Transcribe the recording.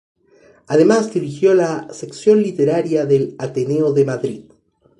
Además dirigió la sección literaria del Ateneo de Madrid.